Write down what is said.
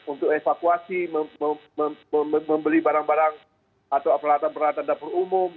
untuk evakuasi membeli barang barang atau peralatan peralatan dapur umum